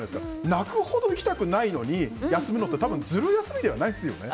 泣くほど行きたくないのに休むのってズル休みではないですよね。